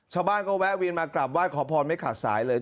ชาวบ้านก็แวะเวียนมากราบไหว้ขอพรไม่ขาดสายเลย